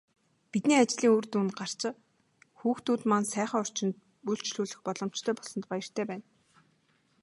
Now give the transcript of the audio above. Бидний ажлын үр дүн гарч, хүүхдүүд маань сайхан орчинд үйлчлүүлэх боломжтой болсонд баяртай байна.